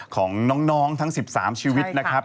ของน้องทั้ง๑๓ชีวิตนะครับ